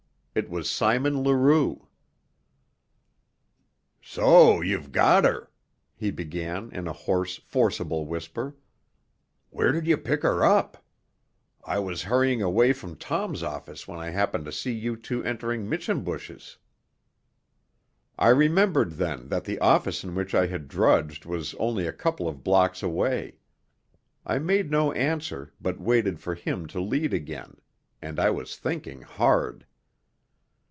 It was Simon Leroux. "So you've got her!" he began in a hoarse, forcible whisper. "Where did you pick her up? I was hurrying away from Tom's office when I happened to see you two entering Mischenbusch's." I remembered then that the office in which I had drudged was only a couple of blocks away. I made no answer, but waited for him to lead again and I was thinking hard.